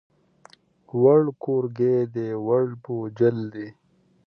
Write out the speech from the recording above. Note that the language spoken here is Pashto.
ووړ کورګی دی، ووړ بوجل دی.